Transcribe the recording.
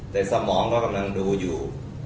แต่สมองก็กำลังดูอยู่